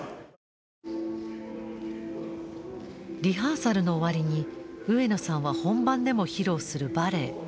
リハーサルの終わりに上野さんは本番でも披露するバレエ